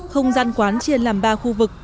không gian quán chiên làm ba khu vực